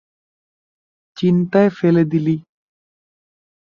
চিন্তায় ফেলে দিলি।